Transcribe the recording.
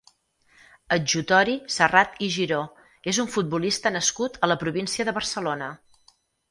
Adjutori Serrat i Giró és un futbolista nascut a la província de Barcelona.